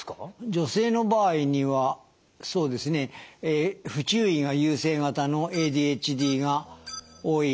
女性の場合にはそうですね不注意が優勢型のＡＤＨＤが多い。